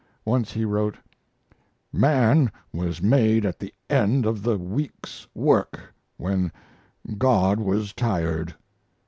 Once he wrote: Man was made at the end of the week's work when God was tired.